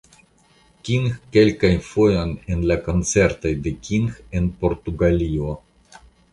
King kelkajn fojojn en la koncertoj de King en Portugalio.